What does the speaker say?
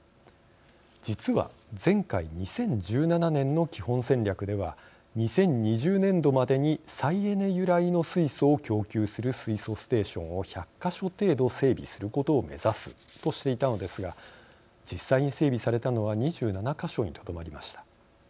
実は前回２０１７年の基本戦略では２０２０年度までに再エネ由来の水素を供給する水素ステーションを１００か所程度整備することを目指すとしていたのですが実際に整備されたのは２７か所にとどまりました。